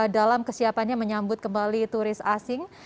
dalam kesiapannya menyambut kembali turis asing